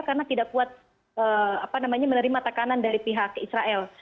karena tidak kuat menerima takanan dari pihak israel